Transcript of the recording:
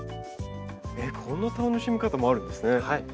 えっこんな楽しみ方もあるんですね。